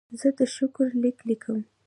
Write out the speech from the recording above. زه د شکر لیک لیکم.